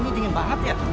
malam ini dingin banget ya